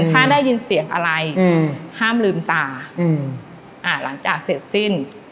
ถ้าได้ยินเสียงอะไรห้ามลืมตาหลังจากเสร็จสิ้น